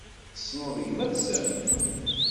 Tessneḍ gmat-nsen?